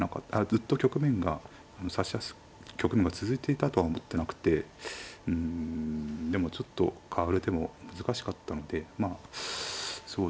ずっと局面が指しやすい局面が続いていたとは思ってなくてうんでもちょっとかわる手も難しかったのでまあそうですね